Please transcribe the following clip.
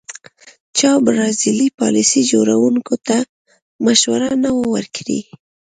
چا برازیلي پالیسي جوړوونکو ته مشوره نه وه ورکړې.